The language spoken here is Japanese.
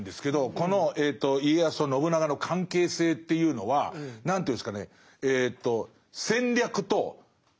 この家康と信長の関係性というのは何ていうんですかね